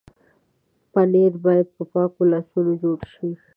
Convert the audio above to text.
پنېر باید په پاکو لاسونو جوړ شي.